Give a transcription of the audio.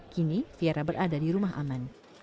kini viera berada di rumah aman